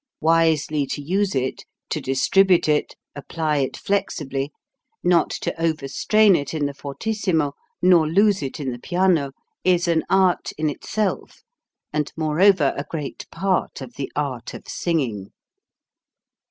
Wisely to use it, to distribute it, apply it flexibly, not to overstrain it in the fortissimo nor lose it in the piano is an art in itself and moreover a great part of the art of singing.